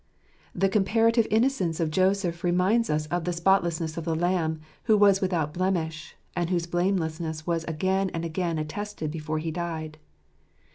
The comparative innocence of Joseph reminds us of the spotlessness of the Lamb who was without blemish, and whose blamelessness was again and again attested before He died.